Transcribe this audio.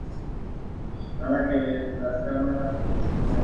Estos caballeros de Ávila vencieron al concejo de Salamanca.